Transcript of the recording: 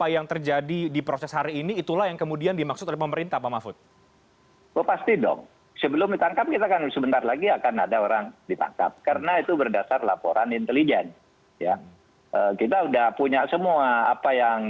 yang kemudian ditangkap